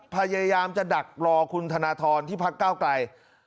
พยายามจะดักรอคุณธนทรที่พักเก้าไกล